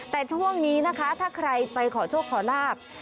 แต่ช่วงนี้นะคะถ้าใครไปขอโชคขอลาบ